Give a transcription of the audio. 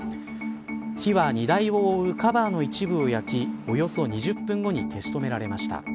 火は、荷台を覆うカバーの一部を焼きおよそ２０分後に消し止められました。